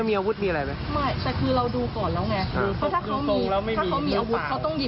ไกลหรอไกลแบบตอนนี้ยังหวงตาเลยน่ะ